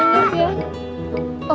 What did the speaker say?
lucu banget ya